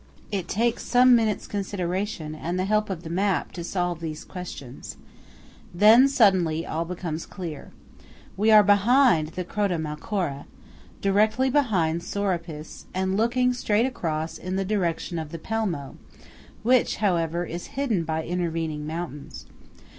It takes some minutes' consideration and the help of the map, to solve these questions. Then, suddenly, all becomes clear. We are behind the Croda Malcora; directly behind Sorapis; and looking straight across in the direction of the Pelmo, which, however, is hidden by intervening mountains.